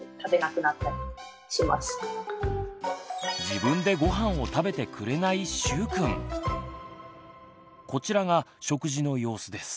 自分でごはんを食べてくれないこちらが食事の様子です。